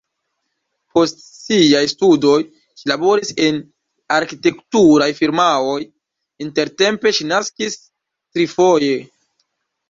Post siaj studoj ŝi laboris en arkitekturaj firmaoj, intertempe ŝi naskis trifoje.